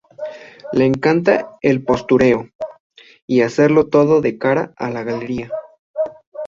Le encanta el postureo y hacerlo todo de cara a la galería